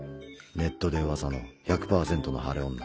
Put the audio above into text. ネットで噂の「１００％の晴れ女」。